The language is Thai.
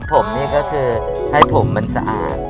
ผมนี่ก็คือให้ผมมันสะอาด